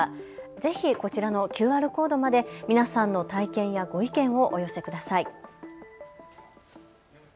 ぜひこちらのＱＲコードまで皆さんの体験やご意見をお寄せください。